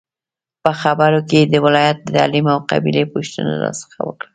په خبرو کې یې د ولایت، تعلیم او قبیلې پوښتنه راڅخه وکړه.